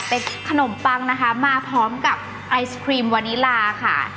เป็นขนมปังนะคะมาพร้อมกับไอศครีมวานิลาค่ะ